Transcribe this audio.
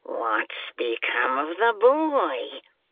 "What's become of the boy?"